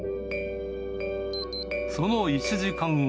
その１時間後。